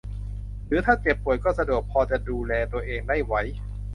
หรือถ้าเจ็บป่วยก็สะดวกพอจะดูแลตัวเองได้ไหว